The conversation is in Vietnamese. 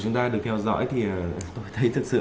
chúng ta được theo dõi thì tôi thấy thực sự